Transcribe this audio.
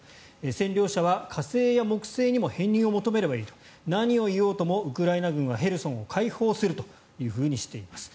占領者は火星や木星にも編入を求めればいい何を言おうともウクライナ軍はヘルソンを解放するとしています。